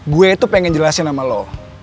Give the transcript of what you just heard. gue tuh pengen jelasin sama lo